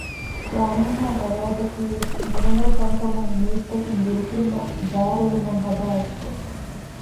ޤާނޫނާއި ޤަވާއިދަކީ ވެސް ނުރަނގަޅު ކަންކަމުން މީސްތަކުން ދުރުކުރުމަށް ބާރުއެޅުމަށް ހަދާ އެއްޗެއް